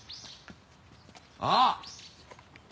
あっ！